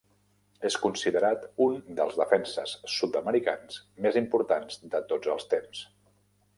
És considerat un dels defenses sud-americans més importants de tots els temps.